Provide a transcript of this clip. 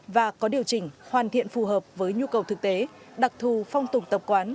và có điều chỉnh hoàn thiện phù hợp với nhu cầu thực tế đặc thù phong tục tập quán